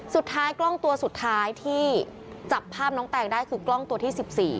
สุดท้ายกล้องตัวสุดท้ายที่จับภาพน้องแตงได้คือกล้องตัวที่๑๔